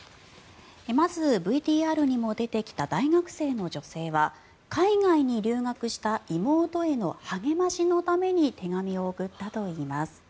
まず、ＶＴＲにも出てきた大学生の女性は海外に留学した妹への励ましのために手紙を送ったといいます。